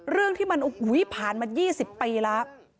เรื่องที่มันอุ๊ยผ่านมา๒๐ปีละ